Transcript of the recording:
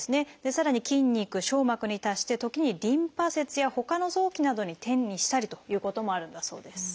さらに筋肉しょう膜に対して時にリンパ節やほかの臓器などに転移したりということもあるんだそうです。